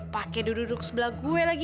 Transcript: pakai duduk duduk sebelah gue lagi